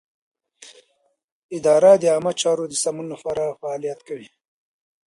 اداره د عامه چارو د سمون لپاره فعالیت کوي.